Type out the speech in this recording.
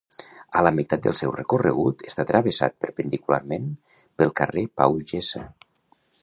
A la meitat del seu recorregut està travessat perpendicularment pel carrer Pau Gessa.